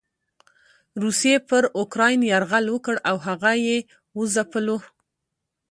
روسيې پر اوکراين يرغل وکړ او هغه یې وځپلو.